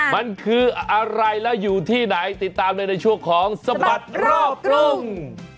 มันคืออะไรแล้วอยู่ที่ไหนติดตามเลยในช่วงของสบัดรอบกรุง